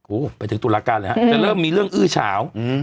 โอ้โหไปถึงตุลาการเลยฮะจะเริ่มมีเรื่องอื้อเฉา